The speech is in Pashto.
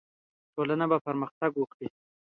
ټولنه به پرمختګ وکړي.